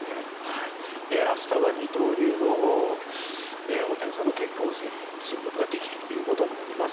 明日は二刀流の大谷さんの結果を知ることができるということになります。